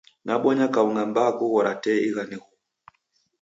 Nabonya kaung'a mbaa kughora tee ighane huw'u!